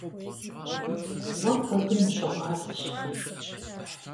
Уэ куэдым ущыгъуазэщ.